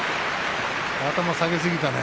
頭を下げすぎたね。